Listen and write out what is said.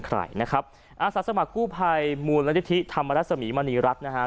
ใครนะครับอาสาสมัครกู้ภัยมูลนิธิธรรมรสมีมณีรัฐนะฮะ